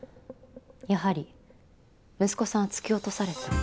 やはり息子さんは突き落とされた？